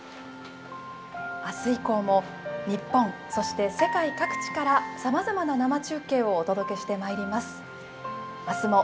あす以降も日本、そして世界各地からさまざまな生中継をお届けしてまいります。